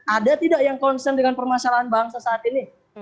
ada tidak yang concern dengan permasalahan bangsa saat ini